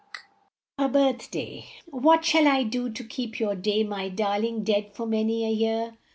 47 A BIRTHDAY. HAT shall I do to keep your day, My darling, dead for many a year?